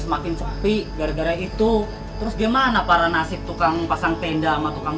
semakin capi gara gara itu terus gimana para nasib tukang pasang tenda sama tukang